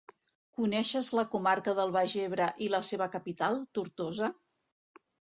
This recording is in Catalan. Coneixes la comarca del Baix Ebre i la seva capital, Tortosa?